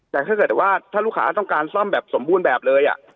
แต่ถ้าเกิดว่าถ้าลูกค้าต้องการซ่อมแบบสมบูรณ์แบบเลย